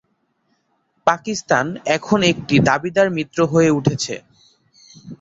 পাকিস্তান এখন একটি দাবিদার মিত্র হয়ে উঠেছে।